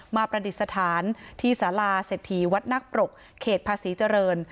ประดิษฐานที่สาราเศรษฐีวัดนักปรกเขตภาษีเจริญ